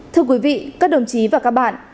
thưa quý vị các đồng chí và các bạn